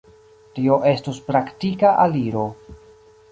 Tio estus praktika aliro.